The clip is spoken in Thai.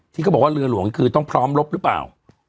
ที่เขาบอกว่าเรือหลวงคือต้องพร้อมลบหรือเปล่า